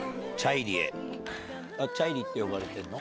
チャイリって呼ばれてるの？